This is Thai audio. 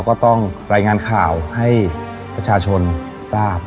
ก็ต้องรายงานข่าวให้ประชาชนทราบ